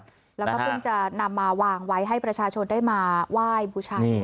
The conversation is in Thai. แล้วก็เพิ่งจะนำมาวางไว้ให้ประชาชนได้มาไหว้บูชา